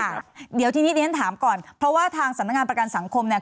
เดี๋ยวทีนี้เรียนถามก่อนเพราะว่าทางสำนักงานประกันสังคมเนี่ย